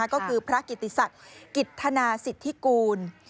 ก็คือพระกิติศักดิ์กิจธนาสิทธิกูล